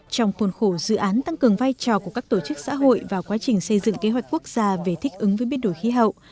trong khuôn khổ dự án tăng cường vai trò của các tổ chức xã hội vào quá trình xây dựng kế hoạch quốc gia về thích ứng với biến đổi khí hậu